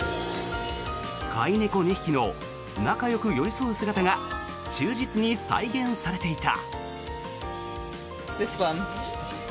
飼い猫２匹の仲よく寄り添う姿が忠実に再現されていた。